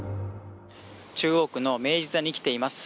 中央区の明治座に来ています。